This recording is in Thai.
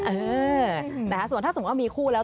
เออนะคะส่วนถ้าสมมุติว่ามีคู่แล้ว